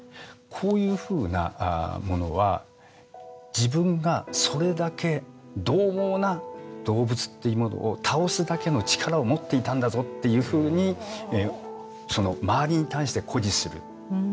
こういうふうなものは自分がそれだけどう猛な動物っていうものを倒すだけの力を持っていたんだぞっていうふうにその周りに対して誇示する。